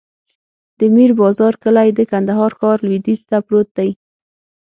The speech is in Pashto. د میر بازار کلی د کندهار ښار لویدیځ ته پروت دی.